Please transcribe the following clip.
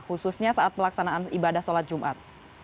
khususnya saat pelaksanaan ibadah sholat jumat